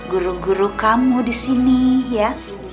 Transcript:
guru guru kamu disini ya